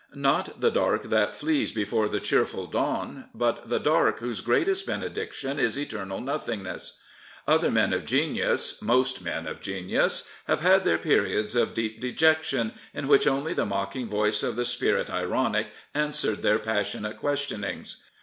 Not the dark that flees before the cheerful dawn, but the dark whose greatest benediction is eternal nothingness. Other men of genius, most men of genius, have had their periods of deep de jection in which only the mocking voice of the Spirit Ironic answered their passionate questionings.